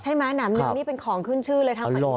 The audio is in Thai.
ใช่ไหมแหน่มเนืองนี่เป็นของขึ้นชื่อเลยทางฝนิกษา